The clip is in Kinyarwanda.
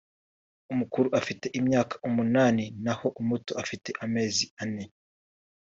umukuru afite imyaka umunani naho umuto afite amezi ane